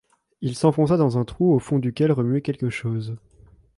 Il s’enfonça dans un trou au fond duquel remuait quelque chose.